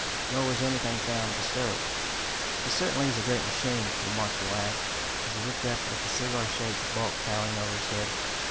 Nor was anything found disturbed. "It certainly is a great machine," remarked the lad as he looked up at the cigar shaped bulk towering over his head.